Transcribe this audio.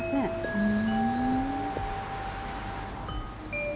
うん。